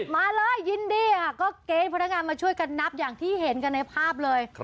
มาเลยยินดีค่ะก็เกณฑ์พนักงานมาช่วยกันนับอย่างที่เห็นกันในภาพเลย